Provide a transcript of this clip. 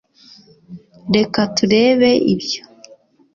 reka turebe ibyo.